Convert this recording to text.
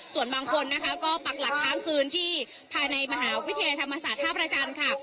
ส่วนบางคนนะคะก็ปักหลักค้างคืนที่ภายในมหาวิทยาลัยธรรมศาสตร์ท่าพระจันทร์ค่ะ